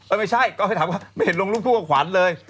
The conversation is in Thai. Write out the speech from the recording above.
ไม่ใช่ก็ไปถามว่าไม่เห็นลงรูปคู่กับขวัญเลย